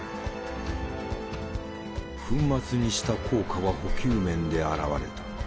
粉末にした効果は補給面で現れた。